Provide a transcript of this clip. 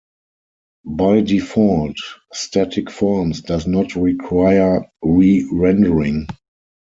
By default, static forms does not require re-rendering.